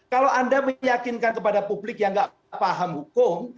kalau anda meyakinkan kepada publik yang tidak paham hukum